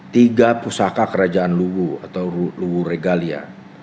tiga pusaka kerajaan luwu atau luwu regalia